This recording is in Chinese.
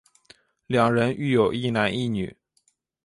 两人育有一男一女。